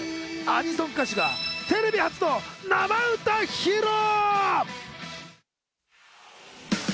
アニソン歌手がテレビ初の生歌披露！